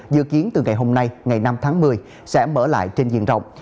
dự kiến từ ngày hôm nay ngày năm tháng một mươi sẽ mở lại trên diện rộng